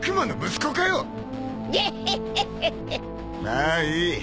まあいい